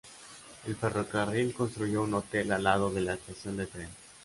El ferrocarril construyó un hotel al lado de la estación de tren.